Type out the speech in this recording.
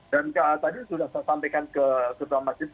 dan tadi sudah saya sampaikan ke ketua majelis